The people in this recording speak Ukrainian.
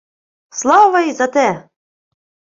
— Слава й за те.